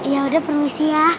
yaudah permisi ya